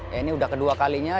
ya ini udah kedua kalinya